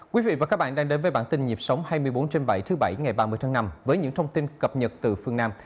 quý vị và các bạn đang đến với bản tin nhịp sống hai mươi bốn trên bảy thứ bảy ngày ba mươi tháng năm với những thông tin cập nhật từ phương nam